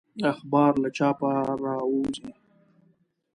اخبار له چاپه راووزي.